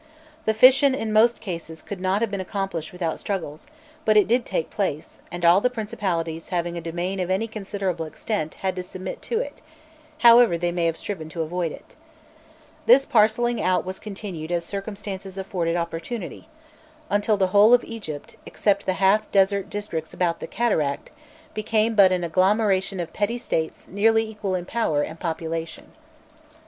The fission in most cases could not have been accomplished without struggles; but it did take place, and all the principalities having a domain of any considerable extent had to submit to it, however they may have striven to avoid it. This parcelling out was continued as circumstances afforded opportunity, until the whole of Egypt, except the half desert districts about the cataract, became but an agglomeration of petty states nearly equal in power and population.